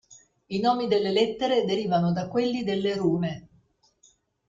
I nomi delle lettere derivano da quelli delle rune.